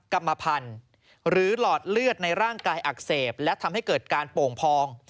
กรรมพันธุ์หรือหลอดเลือดในร่างกายอักเสบและทำให้เกิดการโป่งพอง